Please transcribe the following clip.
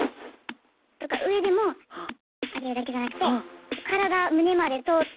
とか上でも上げるだけじゃなくて体胸まで通って。